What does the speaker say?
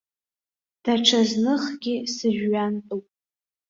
Даҽа зныхгьы сыжәҩантәуп.